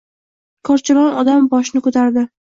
Korchalon odam boshini ko‘tardi.